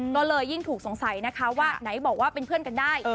ก็เลยยิ่งถูกสงสัยนะคะว่าไหนบอกว่าเป็นเพื่อนกันได้